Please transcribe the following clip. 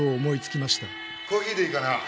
コーヒーでいいかな？